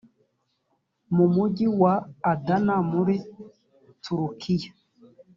mu mugi wa adana muri turukiya